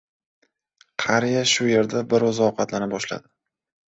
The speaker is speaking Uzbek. Qariya shu yerda bir oʻzi ovqatlana boshladi.